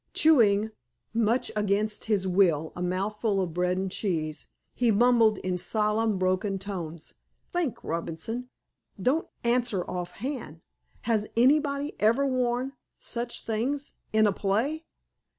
Chewing, much against his will, a mouthful of bread and cheese, he mumbled in solemn, broken tones: "Think—Robinson. Don't—answer—offhand. Has—anybody—ever worn—such things—in a play?"